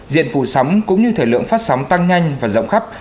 diện phụ sóng cũng như thể lượng phát sóng tăng nhanh và rộng khắp